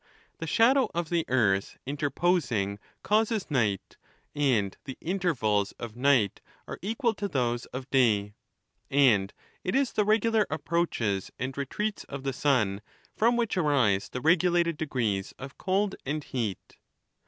The shadow of the earth interposing causes night; and the intervals of night are equal to those of day. And it is the regular approaches and retreats of the sun from which arise the regulated degrees of cold and heat.